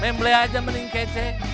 memble aja mending kece